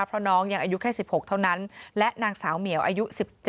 เพราะน้องยังอายุแค่๑๖เท่านั้นและนางสาวเหมียวอายุ๑๗